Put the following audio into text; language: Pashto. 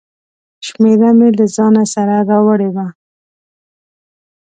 شمېره مې له ځانه سره راوړې وه.